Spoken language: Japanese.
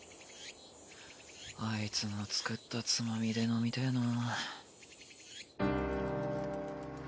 あいつの作ったつまみで飲みてぇな。